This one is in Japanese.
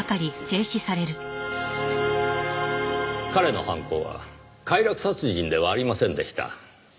彼の犯行は快楽殺人ではありませんでした。